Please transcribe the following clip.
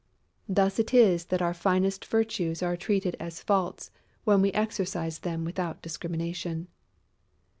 Thus it is that our finest virtues are treated as faults, when we exercise them without discrimination.